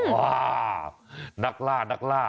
ว่านักล่านักล่า